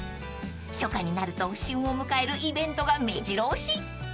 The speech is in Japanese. ［初夏になると旬を迎えるイベントがめじろ押し］